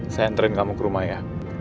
saya anterin kamu ke rumah ya